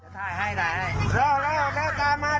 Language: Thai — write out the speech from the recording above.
ไฟอีกไฟอีกไฟอีก